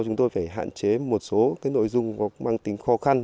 chúng tôi phải hạn chế một số cái nội dung có mang tính khó khăn